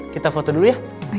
siapa ya dia